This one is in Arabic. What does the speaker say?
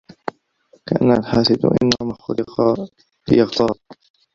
كأن الحاسد إنما خلق ليغتاظ